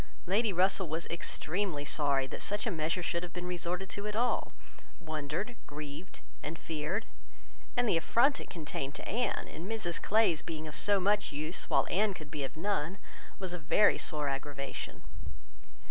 Lady Russell was extremely sorry that such a measure should have been resorted to at all, wondered, grieved, and feared; and the affront it contained to Anne, in Mrs Clay's being of so much use, while Anne could be of none, was a very sore aggravation.